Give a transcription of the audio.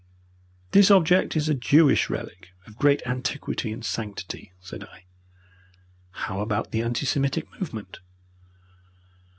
"This object is a Jewish relic of great antiquity and sanctity," said I. "How about the anti Semitic movement?